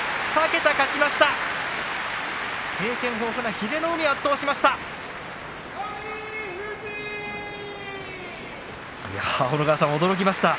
２桁勝ちました。